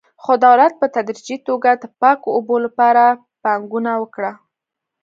خو دولت په تدریجي توګه د پاکو اوبو لپاره پانګونه وکړه.